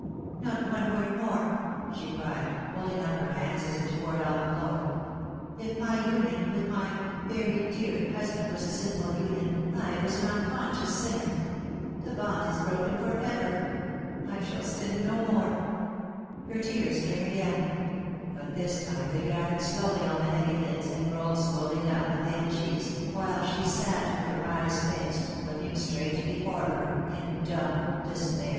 " Not one word more," she cried, holding up her hands as if to ward off a blow. " If my union with my very dear husband was a sinful union, I was an unconscious sinner. The bond is broken for ever. I shall sin no more." Her tears came again ; but this time they gathered slowly on the heavy lids, and rolled slowly down the pale cheeks, while she sat with her eyes fixed, looking straight before her, in dumb despair.